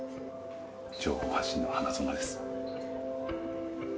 情報発信の花園です。